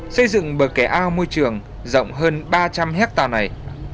xây dựng bờ kè ao môi trường rộng hơn ba trăm linh hectare này